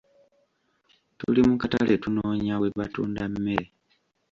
Tuli mu katale tunoonya we batunda mmere.